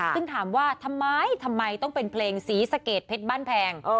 ซึ่งถามว่าทำไมทำไมต้องเป็นเพลงศรีสะเกดเพชรบ้านแพง